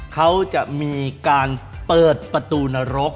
เขาจะมีการเปิดประตูนรก